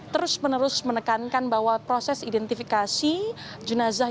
terus menerus menekankan bahwa proses identifikasi jenazah